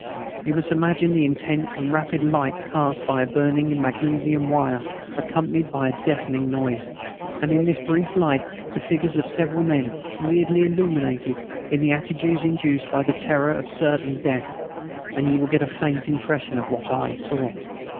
You must imagine the intense and rapid light cast by a burning magnesium wire, accompanied by a deafening noise, and in this brief light the figures of several men, weirdly illuminated, in the attitudes induced by the terror of certain death, and you will get a faint impression of what I saw.